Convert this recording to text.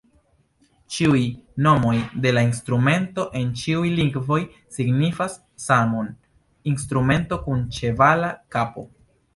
Ĉiuj nomoj de la instrumento en ĉiuj lingvoj signifas samon: "instrumento kun ĉevala kapo".